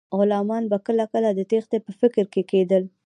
غلامان به کله کله د تیښتې په فکر کې کیدل.